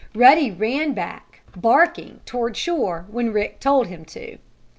Ruddy ran back, barking, toward shore, when Rick told him to.